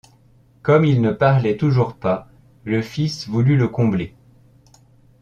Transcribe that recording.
Comme il ne parlait toujours pas, le fils voulut le combler.